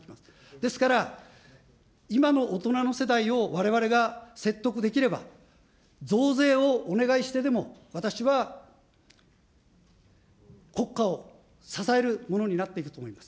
ですから、今の大人の世代をわれわれが説得できれば、増税をお願いしてでも私は国家を支えるものになっていくと思います。